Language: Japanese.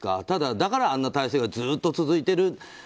ただ、だからあんな体制がずっと続いている。